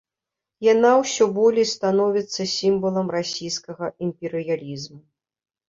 Яна ўсё болей становіцца сімвалам расійскага імперыялізму.